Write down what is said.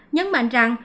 nhấn mạnh rằng